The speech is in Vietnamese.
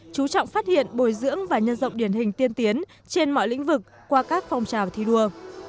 chú trọng phát hiện bồi dưỡng và nhân rộng điển hình tiên tiến trên mọi lĩnh vực qua các phong trào thi đua